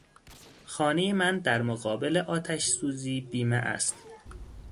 خانهی من در مقابل آتش سوزی بیمه است.